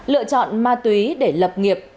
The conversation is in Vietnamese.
lựa chọn ma túy để lập nghiệp